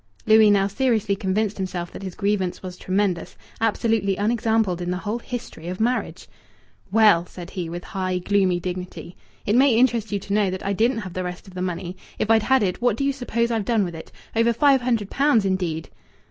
Louis now seriously convinced himself that his grievance was tremendous, absolutely unexampled in the whole history of marriage. "Well," said he, with high, gloomy dignity, "it may interest you to know that I didn't have the rest of the money.... If I'd had it, what do you suppose I've done with it?... Over five hundred pounds, indeed!"